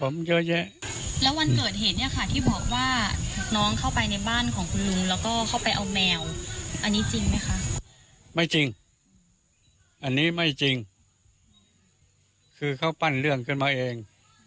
อันนี้ไม่จริงคือเขาปั้นเรื่องขึ้นมาเอง